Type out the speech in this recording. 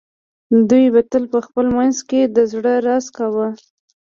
دوی به تل په خپل منځ کې د زړه راز کاوه